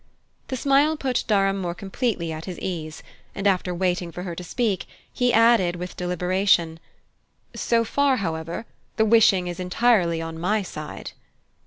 The smile put Durham more completely at his ease, and after waiting for her to speak, he added with deliberation: "So far, however, the wishing is entirely on my side."